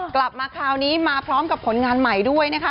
กลับมาคราวนี้มาพร้อมกับผลงานใหม่ด้วยนะคะ